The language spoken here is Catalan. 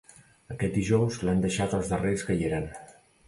Aquest dijous l’han deixat els darrers que hi eren.